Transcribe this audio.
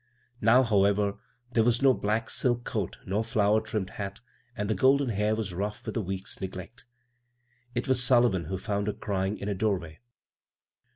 Now, however, there was no black silk coat nor flower trimmed bat, and the golden hmr was rough with a week's neglect It was Sullivan who found her crying in a doorway.